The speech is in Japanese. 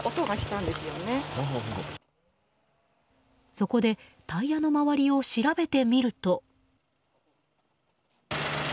そこでタイヤの周りを調べてみると。